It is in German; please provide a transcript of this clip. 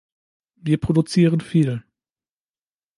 Wir produzieren viel.